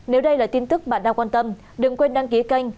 nếu đây là tin tức bạn đang quan tâm đừng quên đăng ký kênh